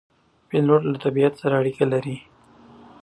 پیلوټ له طبیعت سره اړیکه لري.